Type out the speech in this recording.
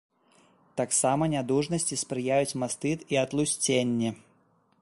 Таксама нядужасці спрыяюць мастыт і атлусценне.